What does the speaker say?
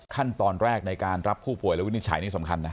ขั้นตอนแรกในการรับผู้ป่วยและวินิจฉัยนี่สำคัญนะ